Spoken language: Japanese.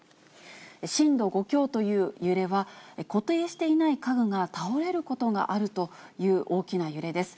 震度５強という揺れは、固定していない家具が倒れることがあるという大きな揺れです。